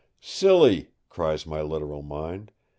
"Silly!" cries my literal mind.